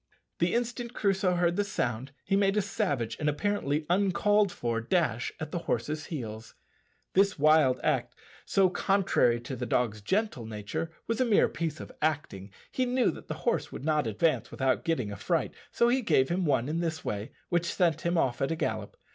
The instant Crusoe heard the sound he made a savage and apparently uncalled for dash at the horse's heels. This wild act, so contrary to the dog's gentle nature, was a mere piece of acting. He knew that the horse would not advance without getting a fright, so he gave him one in this way, which sent him off at a gallop.